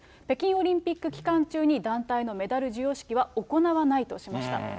北京オリンピック期間中に団体のメダル授与式は行わないとしました。